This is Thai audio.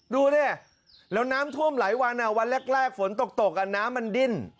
ดูดิแล้วน้ำท่วมหลายวันวันแรกฝนตกน้ำมันดิ้น